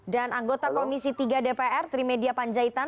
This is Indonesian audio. dan anggota komisi tiga dpr trimedia panjaitan